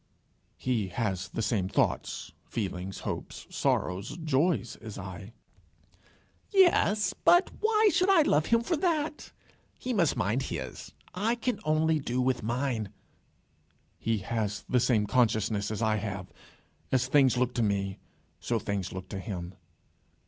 "He has the same thoughts, feelings, hopes, sorrows, joys, as I." "Yes; but why should I love him for that? He must mind his, I can only do with mine." "He has the same consciousness as I have. As things look to me, so things look to him."